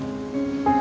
terima kasih om